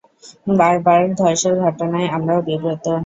বারবার ধসের ঘটনায় আমরাও বিব্রত।